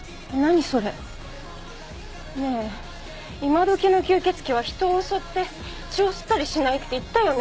ねえ今どきの吸血鬼は人を襲って血を吸ったりしないって言ったよね？